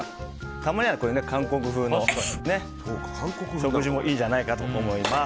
たまには韓国風の食事もいいじゃないかと思います。